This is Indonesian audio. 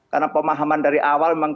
karena pemahaman dari awal